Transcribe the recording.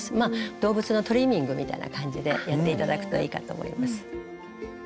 動物のトリミングみたいな感じでやって頂くといいかと思います。